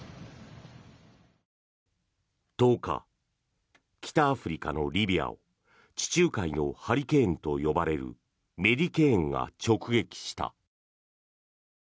１０日、北アフリカのリビアを地中海のハリケーンと呼ばれるメディケーンが直撃した。